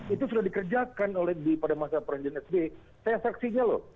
itu sudah dikerjakan oleh pada masa presiden sbi saya saksinya loh